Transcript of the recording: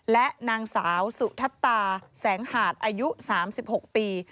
และนางสาวสุทัศตาแสงหาดอายุ๓๖ปี